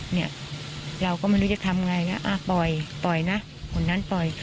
เนี่ยเราก็ไม่รู้จะทำไงนะปล่อยปล่อยนะคนนั้นปล่อย